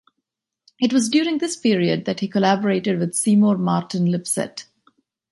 It was during this period that he collaborated with Seymour Martin Lipset.